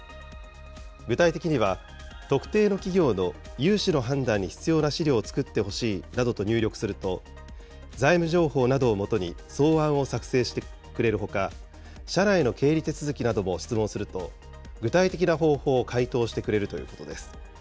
具体的には、特定の企業の融資の判断に必要な資料を作ってほしいなどと入力すると、財務情報などをもとに草案を作成してくれるほか、社内の経理手続きなども質問すると、具体的な方法を回答してくれるということです。